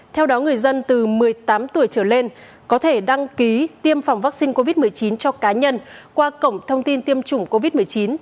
theo đó người dân từ một mươi tám tuổi trở lên có thể đăng ký tiêm phòng vaccine covid một mươi chín cho cá nhân qua cổng thông tin tiêm chủng covid một mươi chín